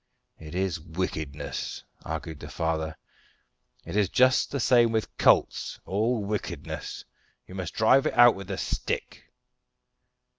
"It is wickedness," argued the father. "It is just the same with colts all wickedness. You must drive it out with the stick."